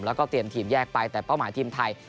แล้วก็เตรียมทีมแยกไปแต่เป้าหมายทีมไทย